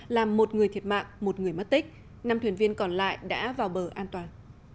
làm một người thiệt mạng một người mất tích năm thuyền viên còn lại đã vào bờ an toàn